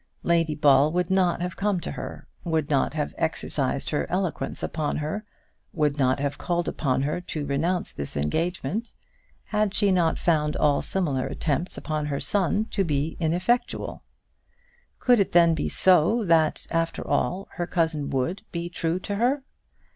Lady Ball would not have come to her, would not have exercised her eloquence upon her, would not have called upon her to renounce this engagement, had she not found all similar attempts upon her own son to be ineffectual. Could it then be so, that, after all, her cousin would be true to her?